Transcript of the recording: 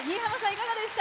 いかがでした？